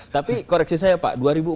tapi koreksi saya pak